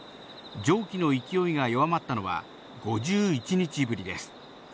蒸気の勢いが弱まったのは５１日ぶりです。